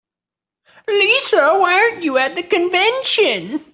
Lisa, why aren't you at the convention?